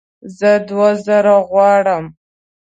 زه دوه زره غواړم